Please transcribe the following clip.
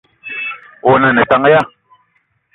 Owono a ne tank ya ?